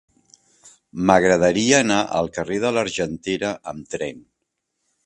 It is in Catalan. M'agradaria anar al carrer de l'Argentera amb tren.